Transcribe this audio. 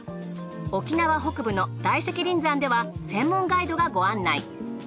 沖縄北部の大石林山では専門ガイドがご案内。